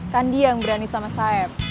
kan dia yang berani sama saya